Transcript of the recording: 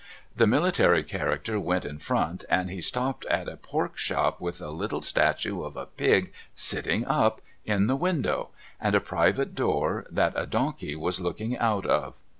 'J"he military character went in front and he stopped at a pork shop with a little statue of a pig sitting up, in the window, and a private door that a donkey was looking out of.